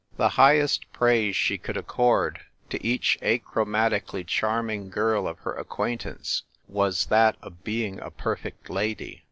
The highest praise she could accord to each aciiromatically charming girl of her accpiaintance was that of being " a perfect lady."